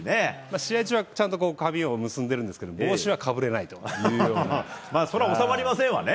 試合中はちゃんと髪を結んでるんですけども、帽子はかぶれなそれは収まりませんわね。